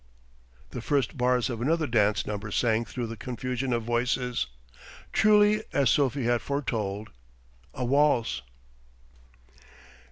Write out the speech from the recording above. The first bars of another dance number sang through the confusion of voices: truly, as Sophie had foretold, a waltz.